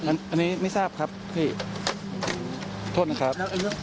นี่มันมีกระแสข่าวเรื่องเกี่ยวกับ